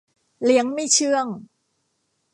เลี้ยงไม่เชื่อง